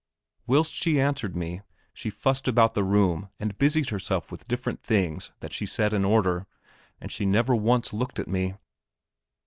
Whilst she answered me she fussed about the room and busied herself with different things that she set in order, and she never once looked at me.